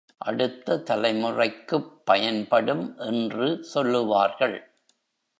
அடுத்த தலைமுறைக்குப் பயன்படும் என்று சொல்லுவார்கள்.